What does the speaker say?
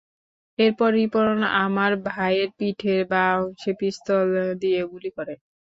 এরপর রিপন আমার ভাইয়ের পিঠের বাঁ অংশে পিস্তল দিয়ে গুলি করে।